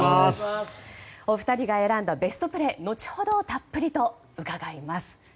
お二人が選んだベストプレー後ほどたっぷりと伺います。